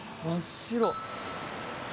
真っ白！